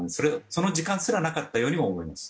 その時間すらなかったようにも思います。